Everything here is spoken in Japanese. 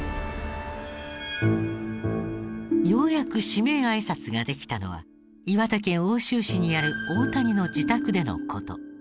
ようやく指名挨拶ができたのは岩手県奥州市にある大谷の自宅での事。